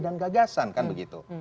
dan gagasan kan begitu